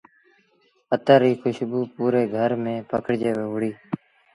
اتر ريٚ کُشبو پوري گھر ميݩ پکڙجي وهُڙيٚ۔